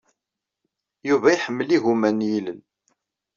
Yuba iḥemmel igumma n yilel.